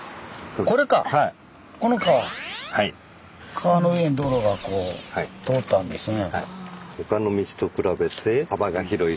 川の上に道路がこう通ったんですね。